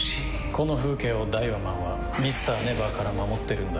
この風景をダイワマンはＭｒ．ＮＥＶＥＲから守ってるんだ。